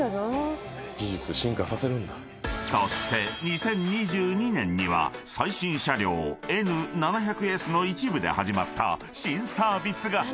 ［そして２０２２年には最新車両Ｎ７００Ｓの一部で始まった新サービスが］